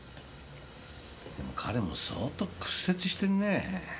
彼も相当屈折してるね。